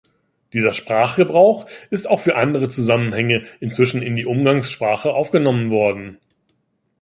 Dieser Sprachgebrauch ist auch für andere Zusammenhänge inzwischen in die Umgangssprache aufgenommen worden.